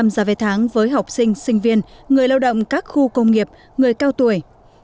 năm mươi giá vé tháng với học sinh sinh viên người lao động các khu công nghiệp người cao tuổi